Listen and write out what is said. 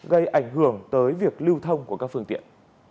gây ảnh hưởng tới việc lưu thông của các phương tiện